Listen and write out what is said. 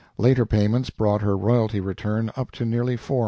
Later payments brought her royalty return up to nearly $450.